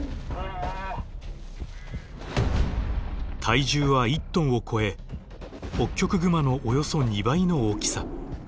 体重は１ｔを超えホッキョクグマのおよそ２倍の大きさ。